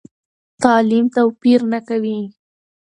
تعلیم توپیر نه کوي.